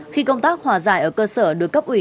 khi công tác hòa giải ở cơ sở được cấp ủy